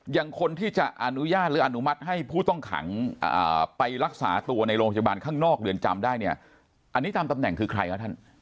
อย่างคนที่จะอนุญาตหรืออนุมัติให้ผู้ต้องขังไปรักษาตัวในโรงพยาบาลข้างนอกเรือนจำได้เนี่ยอันนี้ตามตำแหน่งคือใครคะท่าน